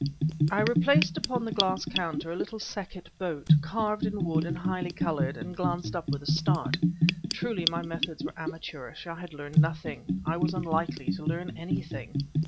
I replaced upon the glass counter a little Sekhet boat, carved in wood and highly colored, and glanced up with a start. Truly my methods were amateurish; I had learnt nothing; I was unlikely to learn anything.